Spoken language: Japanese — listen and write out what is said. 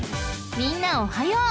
［みんなおはよう。